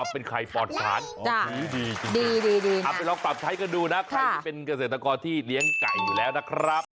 เป็นไข่ปอดสารดีจริงเอาไปลองปรับใช้กันดูนะใครที่เป็นเกษตรกรที่เลี้ยงไก่อยู่แล้วนะครับ